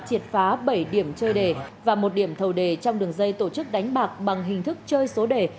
triệt phá bảy điểm chơi đề và một điểm thầu đề trong đường dây tổ chức đánh bạc bằng hình thức chơi số đề